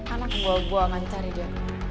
anak gue gue akan cari dia